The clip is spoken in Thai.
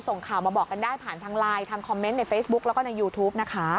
ส่งข่าวมาบอกกันได้ผ่านทางไลน์ทางคอมเมนต์ในเฟซบุ๊กแล้วก็ในยูทูปนะคะ